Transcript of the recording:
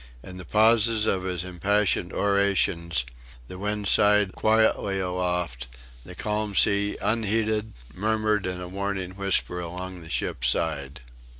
In the pauses of his impassioned orations the wind sighed quietly aloft, the calm sea unheeded murmured in a warning whisper along the ship's side.